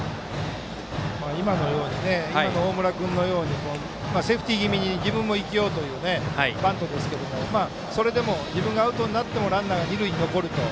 今の大村君のようにセーフティー気味に自分も生きようというバントですがそれでも自分がアウトになってもランナーが二塁に残ると。